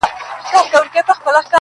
قاسم یاره دوی لقب د اِبهام راوړ,